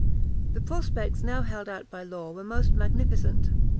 The prospects now held out by Law were most magnificent.